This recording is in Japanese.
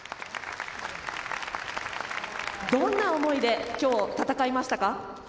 どんな思いで今日、戦いましたか？